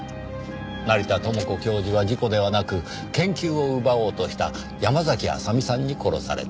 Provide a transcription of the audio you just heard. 成田知子教授は事故ではなく研究を奪おうとした山嵜麻美さんに殺された。